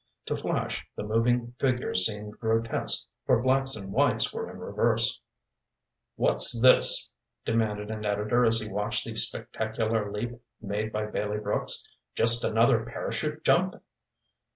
To Flash the moving figures seemed grotesque, for blacks and whites were in reverse. "What's this?" demanded an editor as he watched the spectacular leap made by Bailey Brooks. "Just another parachute jump?"